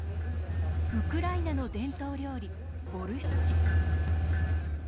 ウクライナの伝統料理ボルシチ。